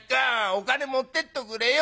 お金持ってっとくれよ。